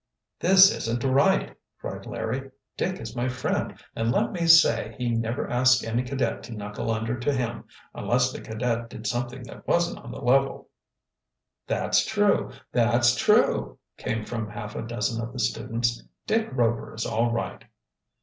"This isn't right!" cried Larry. "Dick is my friend, and let me say he never asks any cadet to knuckle under to him, unless the cadet did something that wasn't on the level." "That's true! That's true!" came from half a dozen of the students. "Dick Rover is all right!"